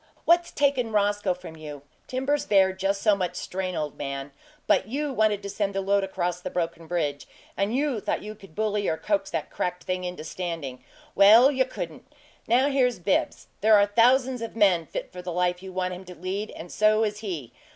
What's taken Roscoe from you? Timbers bear just so much strain, old man; but YOU wanted to send the load across the broken bridge, and you thought you could bully or coax the cracked thing into standing. Well, you couldn't! Now here's Bibbs. There are thousands of men fit for the life you want him to lead and so is he.